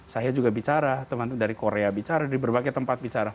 saya juga bicara teman teman dari korea bicara di berbagai tempat bicara